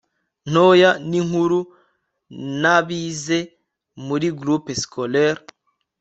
intoya n'inkuru) n'abize muri groupe scolaire